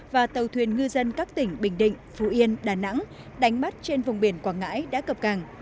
và tàu thuyền ngư dân các tỉnh bình định phú yên đà nẵng đánh bắt trên vùng biển quảng ngãi đã cập cảng